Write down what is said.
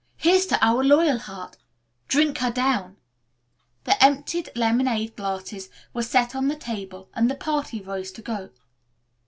"Here's to our Loyalheart! Drink her down!" The emptied lemonade glasses were set on the table and the party rose to go.